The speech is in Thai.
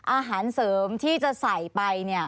อาหารเสริมที่จะใส่ไปเนี่ย